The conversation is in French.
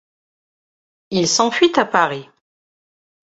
Il s’enfuit à Paris.